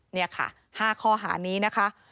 นี่ค่ะ๕ข้อหานี้นะคะ